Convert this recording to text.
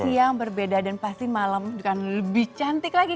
siang berbeda dan pasti malam akan lebih cantik lagi